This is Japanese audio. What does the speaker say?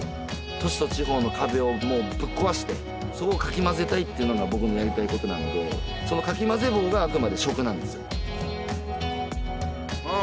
都市と地方の壁をもうぶっ壊してそこをかき混ぜたいっていうのが僕のやりたいことなのでそのかき混ぜ棒があくまで食なんですよああ